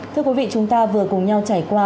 thưa quý vị chúng ta vừa cùng nhau trải qua